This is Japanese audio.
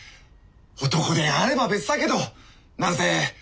男手あれば別だけどなんせ民子さん